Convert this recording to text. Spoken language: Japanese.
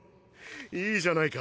いいじゃないか！